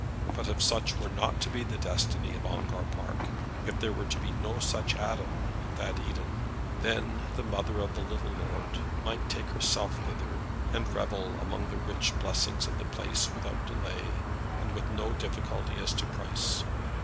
But if such were not to be the destiny of Ongar Park, if there were to be no such Adam in that Eden, then the mother of the little lord might take herself thither, and revel among the rich blessings of the place without delay, and with no difficulty as to price.